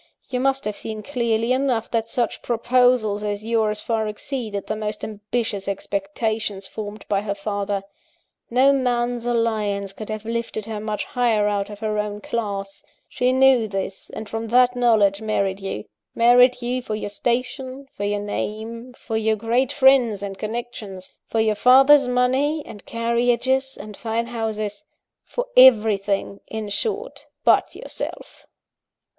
You must have seen clearly enough, that such proposals as yours far exceeded the most ambitious expectations formed by her father. No man's alliance could have lifted her much higher out of her own class: she knew this, and from that knowledge married you married you for your station, for your name, for your great friends and connections, for your father's money, and carriages, and fine houses; for everything, in short, but yourself.